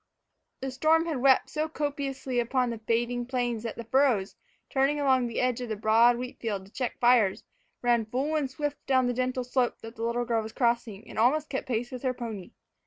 The storm had wept so copiously upon the fading plains that the furrows, turned along the edge of the broad wheat field to check fires, ran full and swift down the gentle slope that the little girl was crossing and almost kept pace with her pony.